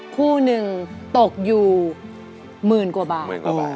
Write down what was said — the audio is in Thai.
คู่หนึ่งตกอยู่หมื่นกว่าบาท